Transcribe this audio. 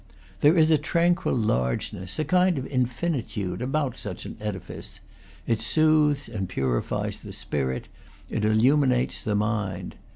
There is a tranquil largeness, a kind of infinitude, about such an edifice: it soothes and purifies the spirit, it illuminates the mind.